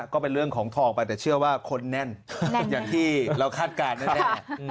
ก็เป็นเรื่องของทองไปแต่เชื่อว่าคนแน่นอย่างที่เราคาดการณ์แน่